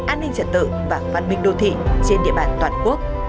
an ninh trật tự và văn minh đô thị trên địa bàn toàn quốc